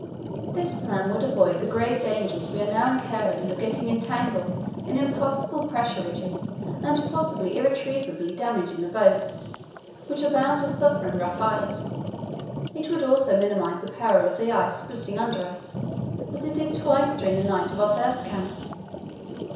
"This plan would avoid the grave dangers we are now incurring of getting entangled in impassable pressure ridges and possibly irretrievably damaging the boats, which are bound to suffer in rough ice; it would also minimize the peril of the ice splitting under us, as it did twice during the night at our first camp.